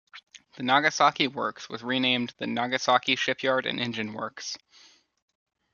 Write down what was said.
The Nagasaki works was renamed the "Nagasaki Shipyard and Engine Works".